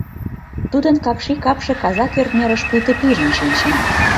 Тудын какши капше казак ӧртньӧрыш пуйто пижын шинчын.